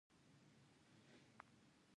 د ننګرهار په شیرزاد کې د تالک نښې شته.